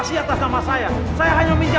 ibu sedang sakit